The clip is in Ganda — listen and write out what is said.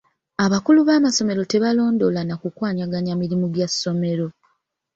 Abakulu b'amasomero tebalondoola na kukwanaganya mirimu gya ssomero.